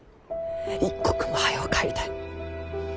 一刻も早う帰りたい。